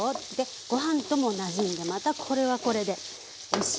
ご飯ともなじんでまたこれはこれでおいしい。